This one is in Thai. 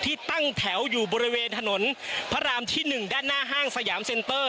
ตั้งแถวอยู่บริเวณถนนพระรามที่๑ด้านหน้าห้างสยามเซ็นเตอร์